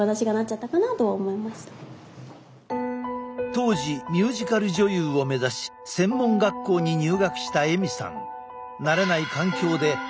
当時ミュージカル女優を目指し専門学校に入学したエミさん。